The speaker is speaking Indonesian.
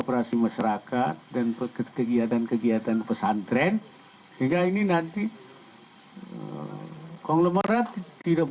operasi masyarakat dan kegiatan kegiatan pesantren sehingga ini nanti konglomerat tidak